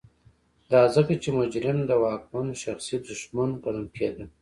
دا ځکه چې مجرم د واکمن شخصي دښمن ګڼل کېده.